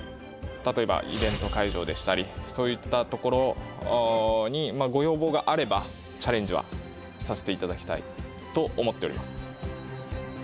例えばイベント会場でしたりそういったところにご要望があればチャレンジはさせていただきたいと思っております。